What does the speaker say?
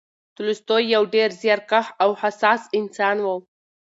تولستوی یو ډېر زیارکښ او حساس انسان و.